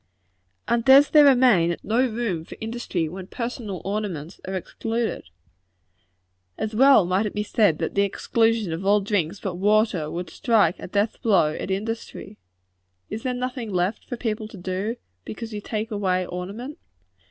And does there remain no room for industry when personal ornaments are excluded? As well might it be said that the exclusion of all drinks but water, would strike a death blow at industry. Is there nothing left for people to do, because you take away ornament?